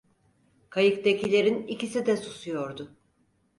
Kayıktakilerin ikisi de susuyordu.